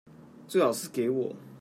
最好是給我